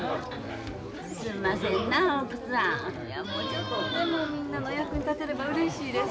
ちょっとでもみんなのお役に立てればうれしいです。